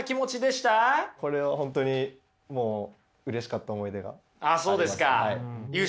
これは本当にもううれしかった思い出があります。